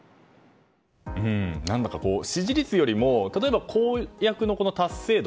何だか支持率よりも公約の達成度